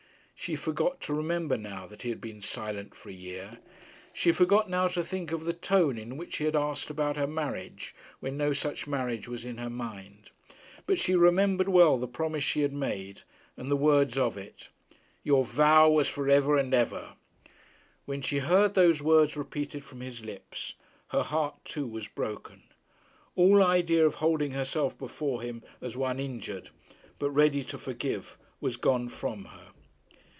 She forgot to remember now that he had been silent for a year. She forgot now to think of the tone in which he had asked about her marriage when no such marriage was in her mind. But she remembered well the promise she had made, and the words of it. 'Your vow was for ever and ever.' When she heard those words repeated from his lips, her heart too was broken. All idea of holding herself before him as one injured but ready to forgive was gone from her.